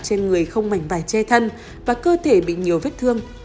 trên người không mảnh vải che thân và cơ thể bị nhiều vết thương